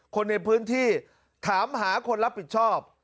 คนในพื้นที่ถามหาคนรับผิดชอบ